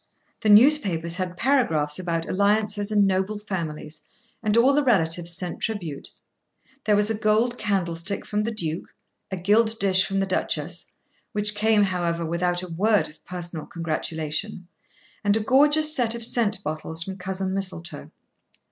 The newspapers had paragraphs about alliances and noble families, and all the relatives sent tribute. There was a gold candlestick from the Duke, a gilt dish from the Duchess, which came however without a word of personal congratulation, and a gorgeous set of scent bottles from cousin Mistletoe.